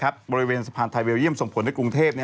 บริเวณสะพานไทยเบลเยี่ยมส่งผลให้กรุงเทพ